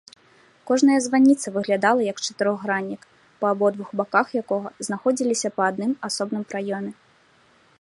Кожная званіца выглядала як чатырохграннік, па абодвух баках якога знаходзіліся па адным асобным праёме.